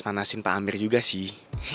pengen manasin pak amir juga sih